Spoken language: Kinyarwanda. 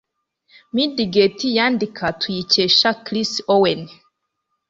midget yandika, tuyikesha Chris Owen.